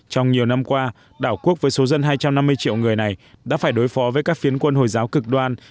trong nhiều năm qua đảo quốc với số dân hai trăm năm mươi triệu người này đã phải đối phó với các phiến quân hồi giáo cực đoan